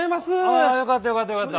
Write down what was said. あよかったよかったよかった。